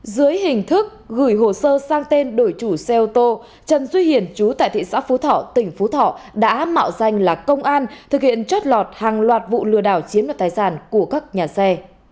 dưới hình thức gửi hồ sơ sang tên đổi chủ xe ô tô trần duy hiển chú tại thị xã phú thọ tỉnh phú thọ đã mạo danh là công an thực hiện trót lọt hàng loạt vụ lừa đảo chiếm đoạt tài sản của các nhà xe